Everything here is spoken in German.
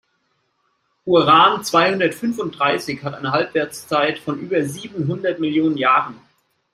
Uran-zweihundertfünfunddreißig hat eine Halbwertszeit von über siebenhundert Millionen Jahren.